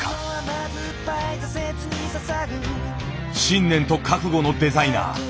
信念と覚悟のデザイナー。